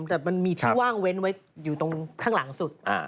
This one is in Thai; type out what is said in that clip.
แต่มันมีที่ว่างเว้นไว้อยู่ตรงข้างหลังสุด